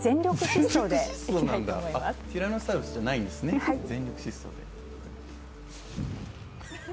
ティラノサウルスじゃないんですね、全力疾走で。